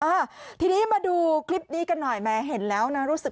อ่าทีนี้มาดูคลิปนี้กันหน่อยแม้เห็นแล้วนะรู้สึก